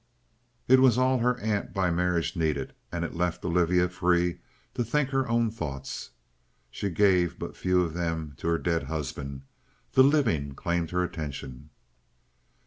It was all her aunt by marriage needed, and it left Olivia free to think her own thoughts. She gave but few of them to her dead husband; the living claimed her attention.